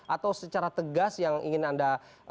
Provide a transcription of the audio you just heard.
atau secara tegas yang ingin anda